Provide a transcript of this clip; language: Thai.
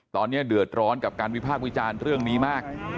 ตอนนี้เดือดร้อนกับการวิพากษ์วิจารณ์เรื่องนี้มาก